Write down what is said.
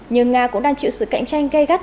nhưng nga cũng đang chịu sự cạnh tranh gây gắt